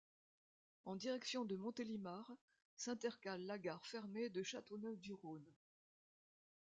En direction de Montélimar, s'intercale la gare fermée de Châteauneuf-du-Rhône.